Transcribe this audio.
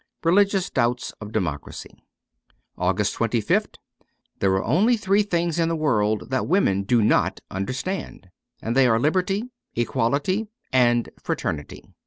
* Religious Doubts of Democracy.' 262 AUGUST 25th THERE are only three things in the world that women do not understand ; and they are Liberty, Equality, and Fraternity.